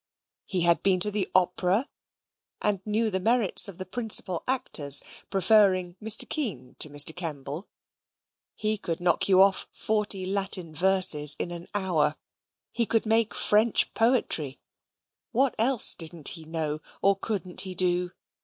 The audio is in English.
He had been to the Opera, and knew the merits of the principal actors, preferring Mr. Kean to Mr. Kemble. He could knock you off forty Latin verses in an hour. He could make French poetry. What else didn't he know, or couldn't he do?